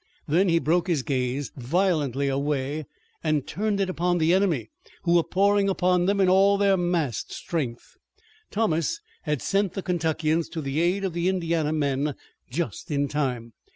Then he broke his gaze violently away and turned it upon the enemy, who were pouring upon them in all their massed strength. Thomas had sent the Kentuckians to the aid of the Indiana men just in time.